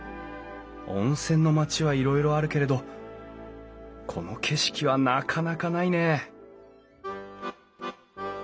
温泉の町はいろいろあるけれどこの景色はなかなかないねえ